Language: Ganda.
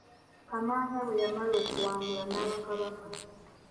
Kamaanya bwe yamala okuwangula n'aba Kabaka.